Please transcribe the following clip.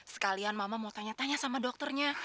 sekalian mama mau tanya tanya sama dokternya